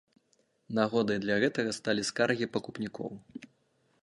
Нагодай для гэтага сталі скаргі пакупнікоў.